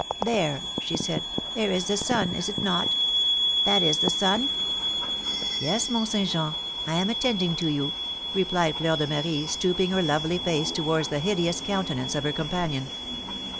"There," she said, "there is the sun, is it not? That is the sun?" "Yes, Mont Saint Jean; I am attending to you," replied Fleur de Marie, stooping her lovely face towards the hideous countenance of her companion.